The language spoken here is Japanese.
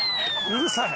うるさい。